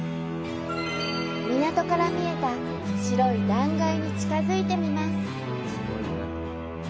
港から見えた白い断崖に近づいてみます。